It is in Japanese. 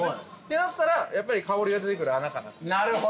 となったら、やっぱり香りが出てくる穴かなと。